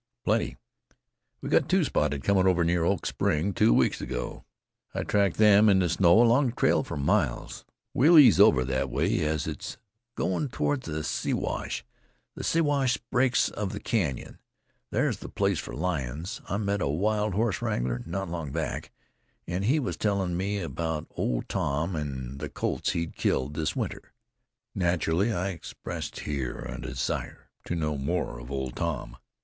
"Plenty. I've got two spotted near Clark Spring. Comin' over two weeks ago I tracked them in the snow along the trail for miles. We'll ooze over that way, as it's goin' toward the Siwash. The Siwash breaks of the Canyon there's the place for lions. I met a wild horse wrangler not long back, an' he was tellin' me about Old Tom an' the colts he'd killed this winter." Naturally, I here expressed a desire to know more of Old Tom.